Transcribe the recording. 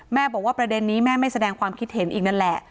บอกว่าประเด็นนี้แม่ไม่แสดงความคิดเห็นอีกนั่นแหละ